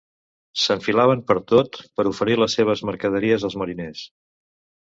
S'enfilaven pertot, per oferir les seves mercaderies als mariners.